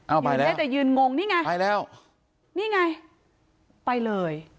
อ้าวไปแล้วอยู่นี้แต่ยืนงงนี่ไงไปแล้วนี่ไงไปเลย